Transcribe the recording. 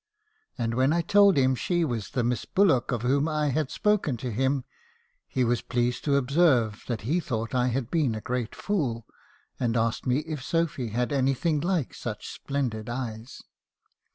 And when I told him she was the Miss Bullock of whom I had spoken to him, he was pleased to observe that he thought I had been a great fool, and asked me if Sophy had anything like such splendid eyes.